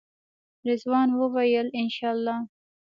رضوان وویل انشاالله.